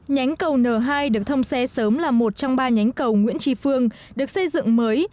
nhánh cầu n hai được thông xe sớm là một trong ba nhánh cầu nguyễn tri phương được xây dựng mới